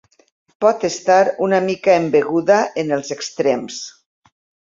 Pot estar una mica embeguda en els extrems.